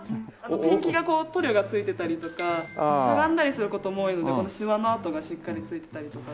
ペンキが塗料が付いてたりとかしゃがんだりする事も多いのでしわの痕がしっかりついてたりとか。